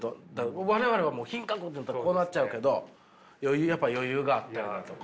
我々はもう品格っていったらこうなっちゃうけど余裕やっぱ余裕があったらとか。